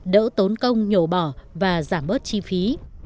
đỡ tốn công nhổ bỏ và giảm bớt chi phí